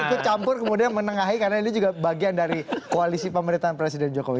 ikut campur kemudian menengahi karena ini juga bagian dari koalisi pemerintahan presiden jokowi